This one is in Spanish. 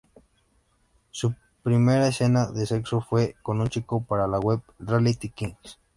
Su primera escena de sexo fue con un chico para la web Reality Kings.